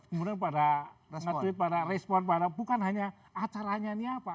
kemudian pada nge tweet pada respon pada bukan hanya acaranya ini apa